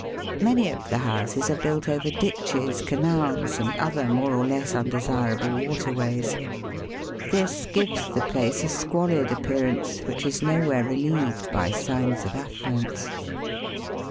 Many of the houses are built over ditches, canals, and other more or Digitized by VjOOQIC 110 EAST BY WEST, less undesirable waterways. This gives the place a squalid appearance, which is nowhere relieved by signs of affluence.